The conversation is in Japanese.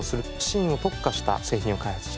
シーンに特化した製品を開発してます。